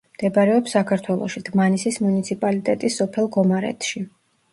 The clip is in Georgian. მდებარეობს საქართველოში, დმანისის მუნიციპალიტეტის სოფელ გომარეთში.